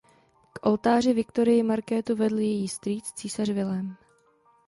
K oltáři Viktorii Markétu vedl její strýc císař Vilém.